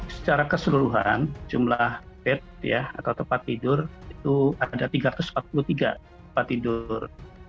secara keseluruhan jumlah bed atau tempat tidur itu ada tiga ratus empat puluh tiga tempat tidur